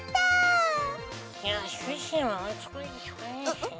えっ？